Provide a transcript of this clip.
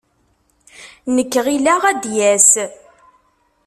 Nekk ɣileɣ ad d-yas.